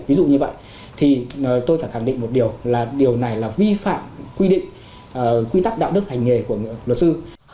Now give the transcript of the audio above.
ví dụ như vậy tôi phải thẳng định một điều là điều này vi phạm quy tắc đạo đức hành nghề của luật sư